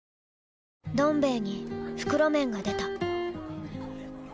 「どん兵衛」に袋麺が出た